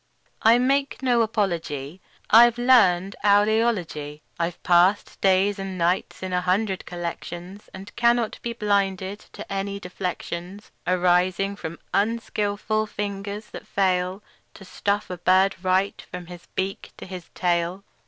I make no apology; I've learned owl eology. I've passed days and nights in a hundred collections, And cannot be blinded to any deflections Arising from unskilful fingers that fail To stuff a bird right, from his beak to his tail.